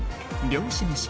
漁師めし